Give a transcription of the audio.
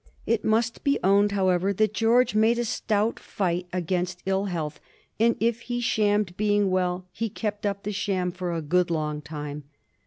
It must be owned, however, that George made a stout fight against ill health, and if he shammed being well, he kept up the sham for a good long time.